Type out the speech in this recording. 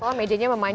oval medenya memanjang